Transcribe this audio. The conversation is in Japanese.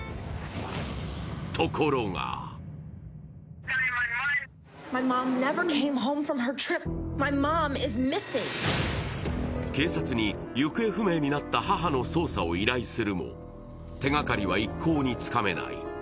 ところが警察に行方不明になった母の捜査を由来するも、手がかりは一向につかめない。